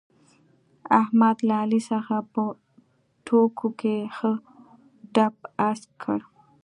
احمد له علي څخه په ټوکو کې ښه دپ اسک کړ.